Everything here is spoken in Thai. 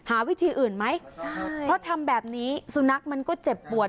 วิธีอื่นไหมใช่เพราะทำแบบนี้สุนัขมันก็เจ็บปวด